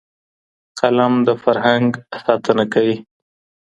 قلم د فرهنګ ساتنه کوي.